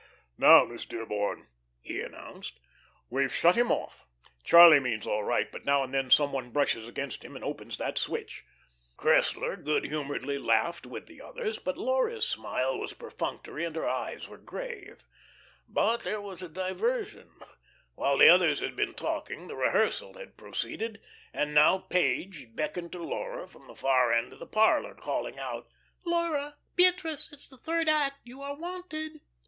"Now, Miss Dearborn," he announced, "we've shut him off. Charlie means all right, but now and then some one brushes against him and opens that switch." Cressler, good humouredly laughed with the others, but Laura's smile was perfunctory and her eyes were grave. But there was a diversion. While the others had been talking the rehearsal had proceeded, and now Page beckoned to Laura from the far end of the parlor, calling out: "Laura 'Beatrice,' it's the third act. You are wanted."